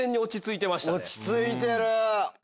落ち着いてる！